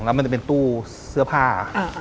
แล้วมันจะเป็นตู้เสื้อผ้า